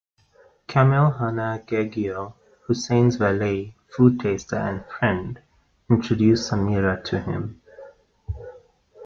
Kamel Hana Gegeo, Hussein's valet, food taster and friend, introduced Samira to him.